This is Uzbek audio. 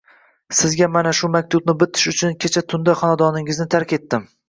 Sizga mana shu maktubni bitish uchun kecha tunda xonadoningizni tark etdim